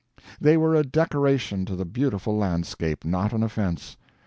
They were a decoration to the beautiful landscape, not an offense.